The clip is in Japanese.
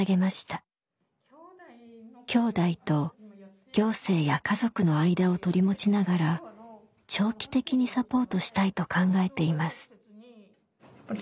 きょうだいと行政や家族の間を取り持ちながら長期的にサポートしたいと考えています。